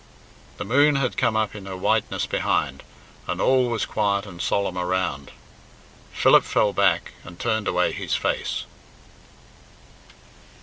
The moon had come up in her whiteness behind, and all was quiet and solemn around. Philip fell back and turned away his face.